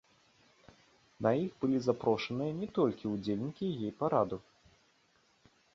На іх былі запрошаныя не толькі ўдзельнікі гей-прайду.